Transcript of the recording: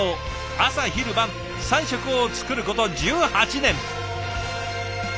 朝昼晩３食を作ること１８年。